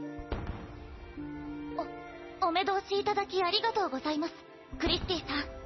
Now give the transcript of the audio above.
おお目通しいただきありがとうございますクリスティーさん。